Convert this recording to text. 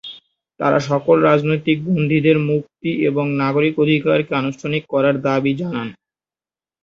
তারা সকল রাজনৈতিক বন্দিদের মুক্তি এবং নাগরিক অধিকারকে আনুষ্ঠানিক করার দাবি জানান।